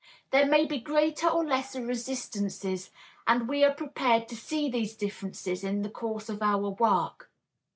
There may be greater or lesser resistances and we are prepared to see these differences in the course of our work.